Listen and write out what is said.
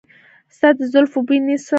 ستا د زلفو بوی نسیم په چمن راوړ.